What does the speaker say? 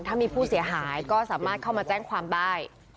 ถ้ามีผู้เสียหายก็สามารถเข้ามาแจ้งความได้